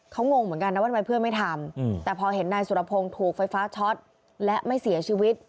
เขางงเหมือนกันนะว่าทำไมเพื่อนไม่ทำแต่พอเห็นนายสุรพงศ์ถูกไฟฟ้าช็อตและไม่เสียชีวิต